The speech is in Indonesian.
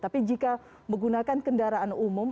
tapi jika menggunakan kendaraan umum